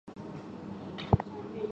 出演过多部影视剧。